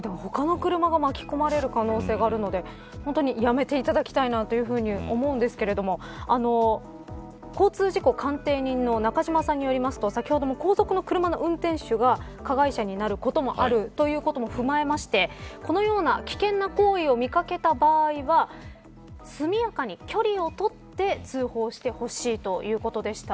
他の車が巻き込まれる可能性があるので本当にやめていただきたいなと思うんですけれども交通事故鑑定人の中島さんによりますと先ほども後続の車の運転手が加害者になることもあるということも踏まえましてこのような危険な行為を見掛けた場合は速やかに距離を取って通報してほしいということでした。